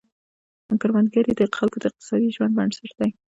کروندګري د خلکو د اقتصادي ژوند بنسټ دی.